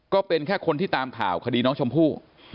ก็เป็นแค่คนที่ตามข่าวคดีน้องชมพู่